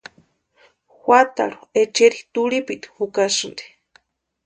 Juatarhu echeri turhipiti jukasïnti.